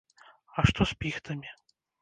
А што з піхтамі?